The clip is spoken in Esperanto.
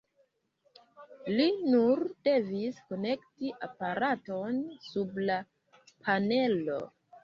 Li nur devis konekti aparaton sub la panelo.